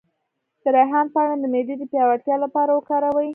د ریحان پاڼې د معدې د پیاوړتیا لپاره وکاروئ